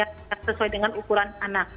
anak diberikan masker yang sesuai dengan ukuran anak